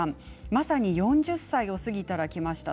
まさに４０歳を過ぎたらきました。